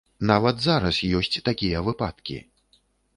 Нават зараз ёсць такія выпадкі!